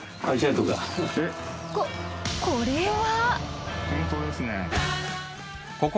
ここれは。